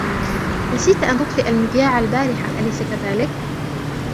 نسيت أن تطفئ المذياع البارحة ، أليس كذلك ؟